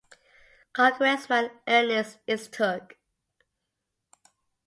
Congressman Ernest Istook.